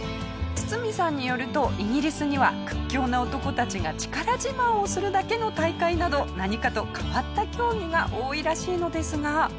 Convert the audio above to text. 堤さんによるとイギリスには屈強な男たちが力自慢をするだけの大会など何かと変わった競技が多いらしいのですが。